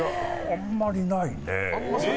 あんまりないね。